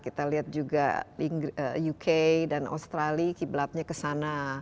kita lihat juga uk dan australia kiblatnya ke sana